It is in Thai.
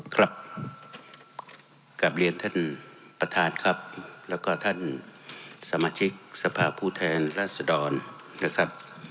ครับกลับเรียนท่านประธานครับแล้วก็ท่านสมาชิกสภาพผู้แทนรัศดรนะครับ